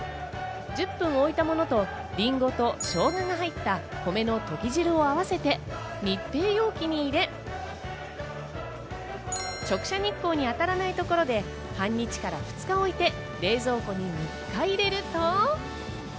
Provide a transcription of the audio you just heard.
１０分置いたものと、りんごとしょうがが入った米のとぎ汁を合わせて密閉容器に入れ、直射日光に当たらないところで半日から２日おいて、冷蔵庫に３日入れると。